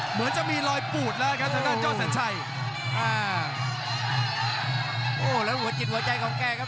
เหมือนจะมีรอยปูดแล้วครับทางด้านเจ้าสัญชัยอ่าโอ้แล้วหัวจิตหัวใจของแกครับ